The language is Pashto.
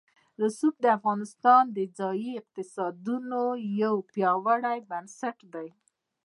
رسوب د افغانستان د ځایي اقتصادونو یو پیاوړی بنسټ دی.